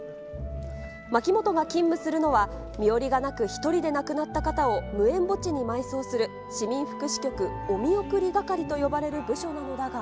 牧本が勤務するのは、身寄りがなく１人で亡くなった方を無縁墓地に埋葬する、市民福祉局、お見送り係と呼ばれる部署なのだが。